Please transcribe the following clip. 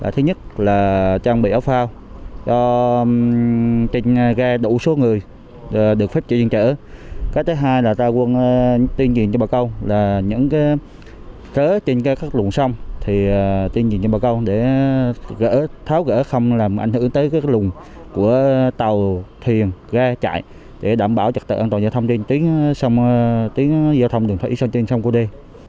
tổ chức tuyên truyền cho bà con nhân giao trên tuyến sông cô đê